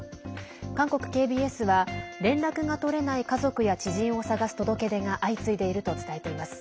韓国ＫＢＳは、連絡が取れない家族や知人を捜す届け出が相次いでいると伝えています。